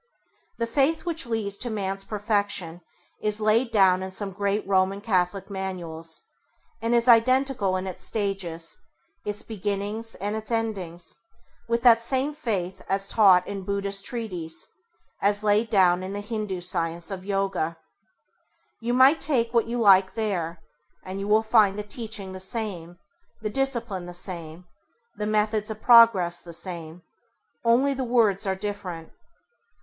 The faith which leads to man's perfection is laid down in some great Roman Catholic manuals, and it is identical in its stages, its beginnings and its endings with that same faith as taught in Buddhist treatises, as laid down in the Hindû science of Yoga. You might take what you like there, and you will find the teaching the same, the discipline the same, the methods of progress the same, only the words are different.